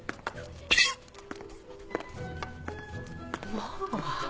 もう！